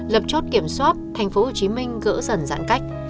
lập chốt kiểm soát thành phố hồ chí minh gỡ dần giãn cách